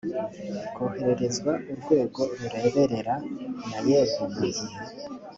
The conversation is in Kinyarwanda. ikohererezwa urwego rureberera naeb mu gihe